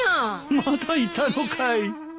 まだいたのかい。